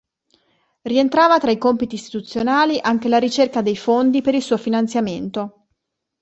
Rientrava tra i compiti istituzionali anche la ricerca dei fondi per il suo finanziamento.